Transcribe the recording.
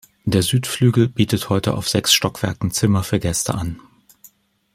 Der Südflügel bietet heute auf sechs Stockwerken Zimmer für Gäste an.